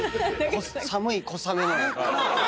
寒い小雨の中。